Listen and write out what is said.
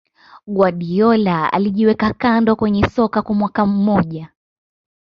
Guardiola alijiweka kando kwenye soka kwa mwaka mmoja